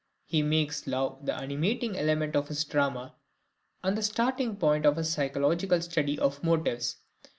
He makes love the animating element of his drama, and the starting point of his psychological study of motives.